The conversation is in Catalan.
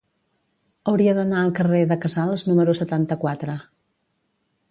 Hauria d'anar al carrer de Casals número setanta-quatre.